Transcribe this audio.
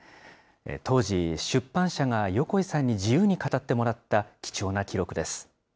当時、出版社が横井さんに自由に語ってもらった貴重な記録です。